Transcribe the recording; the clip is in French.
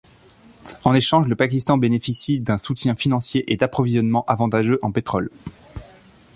En échange, le Pakistan bénéficie d'un soutien financier et d'approvisionnements avantageux en pétrole.